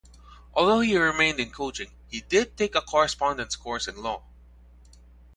Although he remained in coaching he did take a correspondence course in law.